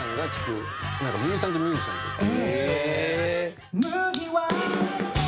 ミュージシャンズ・ミュージシャンというか。